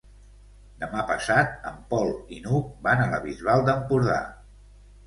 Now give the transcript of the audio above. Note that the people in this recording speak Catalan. Demà passat en Pol i n'Hug van a la Bisbal d'Empordà.